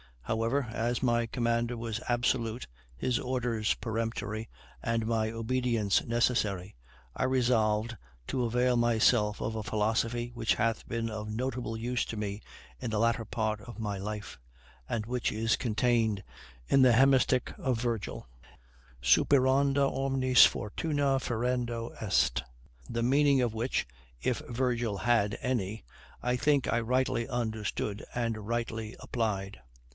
However, as my commander was absolute, his orders peremptory, and my obedience necessary, I resolved to avail myself of a philosophy which hath been of notable use to me in the latter part of my life, and which is contained in this hemistich of Virgil: Superanda omnis fortuna ferendo est. The meaning of which, if Virgil had any, I think I rightly understood, and rightly applied.